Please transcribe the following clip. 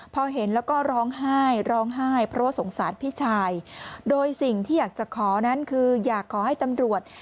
พอเห็นแล้วก็ร้องไห้ร้องไห้เพราะว่าสงสารพี่ชายโดยสิ่งที่อยากจะขอนั้นคืออยากขอให้ตำรวจ